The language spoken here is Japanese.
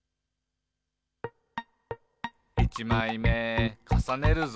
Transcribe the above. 「いちまいめかさねるぞ！」